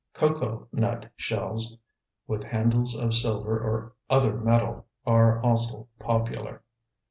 Cocoa nut shells, with handles of silver or other metal, are also popular.